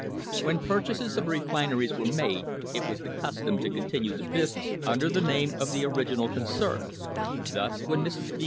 When purchases of refineries were made it was the custom to continue the business under the name of the original concern; thus, when Mrs. B.